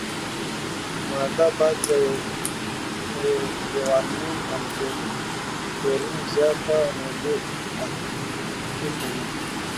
ماده باید له یورانیم او توریم زیاته راډیواکټیفه وي.